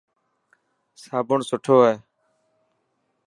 صابڻ سٺو هي.